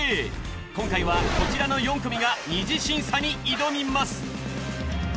今回はこちらの４組が二次審査に挑みます。